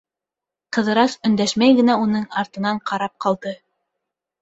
Ҡыҙырас өндәшмәй генә уның артынан ҡарап ҡалды.